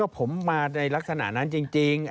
ผมมาในลักษณะนั้นจริง